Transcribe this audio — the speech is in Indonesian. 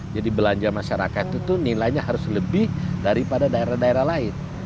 jadi belanja masyarakat itu nilainya harus lebih daripada daerah daerah lain